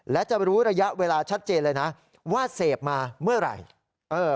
และจะรู้ระยะเวลาชัดเจนเลยนะว่าเสพมาเมื่อไหร่